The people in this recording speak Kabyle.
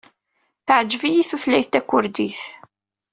Teɛjeb-iyi tutlayt takurdit.